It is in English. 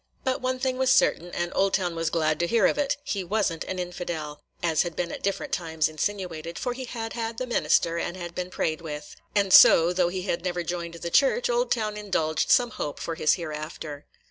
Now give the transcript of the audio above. But one thing was certain, and Oldtown was glad to hear of it, – he was n't an infidel, as had been at different times insinuated, for he had had the minister and been prayed with; and so, though he never had joined the church, Oldtown indulged some hope for his hereafter.